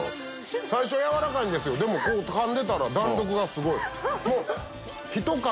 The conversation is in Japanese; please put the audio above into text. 最初軟らかいんですよでもかんでたら弾力がすごい。